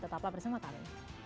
tetap bersama kami